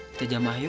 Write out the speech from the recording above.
kita jamah yuk